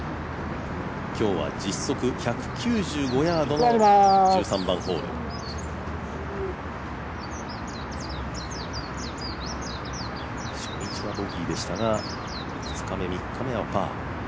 今日は実測１９５ヤードの１３番ホール初日はボギーでしたが２日目、３日目はパー。